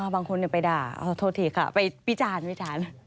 บางคนไปด่าโทษทีค่ะไปพิจารณ์